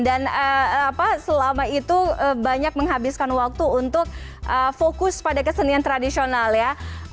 dan selama itu banyak menghabiskan waktu untuk fokus pada kesenian tradisional ya